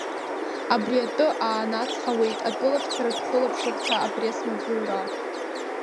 Абри атәы аанацҳауеит атәылахьчаратә хылаԥшырҭа апресс-маҵзура.